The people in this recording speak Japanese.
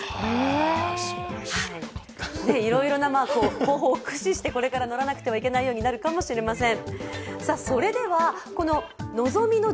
いろいろな方法を駆使して、これからは乗らなくてはいけないようになるかもしれません。